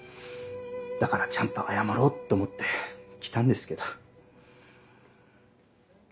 だからちゃんと謝ろうと思って来たんですけど。